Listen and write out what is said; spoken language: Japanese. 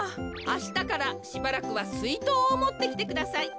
あしたからしばらくはすいとうをもってきてください。